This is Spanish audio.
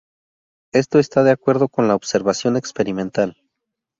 Esto está de acuerdo con la observación experimental.